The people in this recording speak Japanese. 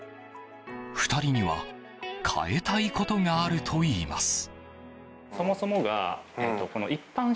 ２人には変えたいことがあるといいます。